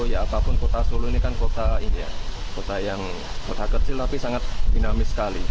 ya apapun kota solo ini kan kota ini ya kota yang kota kecil tapi sangat dinamis sekali